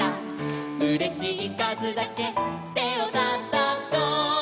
「うれしいかずだけてをたたこ」